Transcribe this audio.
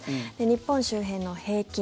日本周辺の平均